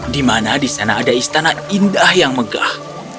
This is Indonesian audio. di mana di sana ada istana indah yang megah